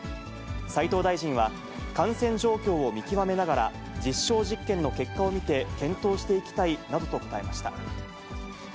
斉藤大臣は、感染状況を見極めながら、実証実験の結果を見て検討していきたいなどと答えました。